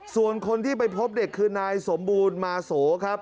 ส่วนคนที่ไปพบเด็กคือนายสมบูรณ์มาโสครับ